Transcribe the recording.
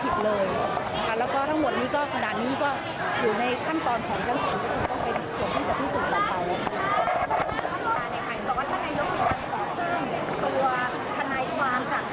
จากต่างที่นี่คือที่ทีมคือค่ะ